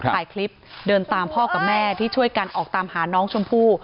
ถ่ายคลิปเดินตามพ่อกับแม่ที่ช่วยกันออกตามหาน้องชมพู่